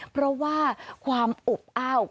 เพราะว่าความอบอ้าว